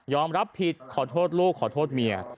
รับผิดขอโทษลูกขอโทษเมีย